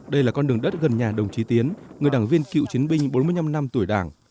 đây là con đường đất gần nhà đồng chí tiến người đảng viên cựu chiến binh bốn mươi năm năm tuổi đảng